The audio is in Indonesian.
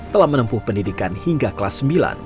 telah menempuh pendidikan hingga kelas sembilan